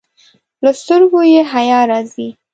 له سترګو یې حیا راځي.